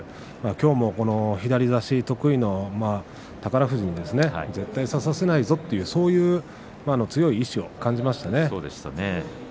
きょうも左差し得意の宝富士に絶対差させないぞというそういう強い意思を感じましたね。